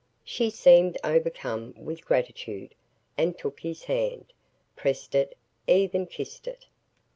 She seemed overcome with gratitude and took his hand, pressed it, even kissed it.